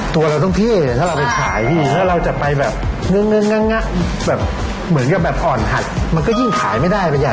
ตัวเราต้องเท่ถ้าเราไปขายพี่ถ้าเราจะไปแบบนึงแบบเหมือนกับแบบอ่อนหัดมันก็ยิ่งขายไม่ได้เป็นใหญ่